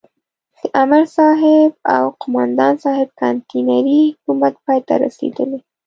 د امرصاحب او قوماندان صاحب کانتينري حکومت پای ته رسېدلی.